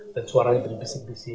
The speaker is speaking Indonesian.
dan suaranya terbisik bisik